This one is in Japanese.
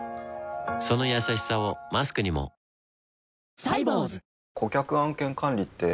そのやさしさをマスクにも何？